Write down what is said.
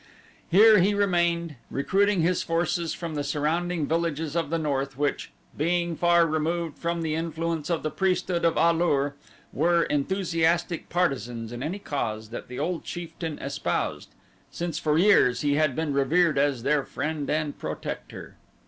Here he remained, recruiting his forces from the surrounding villages of the north which, being far removed from the influence of the priesthood of A lur, were enthusiastic partisans in any cause that the old chieftain espoused, since for years he had been revered as their friend and protector.